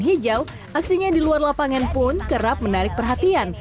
aksi di lapangan hijau aksinya di luar lapangan pun kerap menarik perhatian